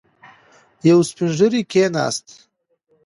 يو سپين ږيری کېناست.